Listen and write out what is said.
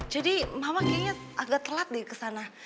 jadi mama kayaknya agak telat deh kesana